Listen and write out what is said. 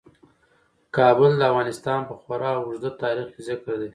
کابل د افغانستان په خورا اوږده تاریخ کې ذکر دی.